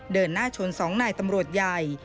เดินหน้าชน๒นายตำรวจใหญ่